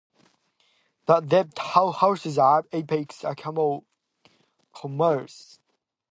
The depot now houses the Apex Chamber of Commerce.